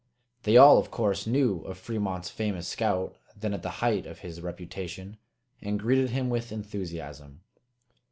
They all, of course, knew of Fremont's famous scout, then at the height of his reputation, and greeted him with enthusiasm.